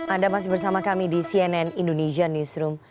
anda masih bersama kami di cnn indonesia newsroom